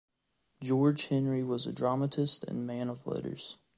George Henry was a dramatist and man of letters.